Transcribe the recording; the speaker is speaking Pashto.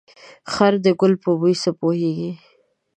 خر ده ګل په بوی څه پوهيږي.